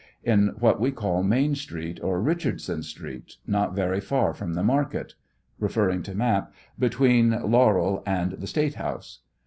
On what we call Main street, or. Eichardson street, not' very far from the market, (referring to map,) be tween Laurel and the Statehouse.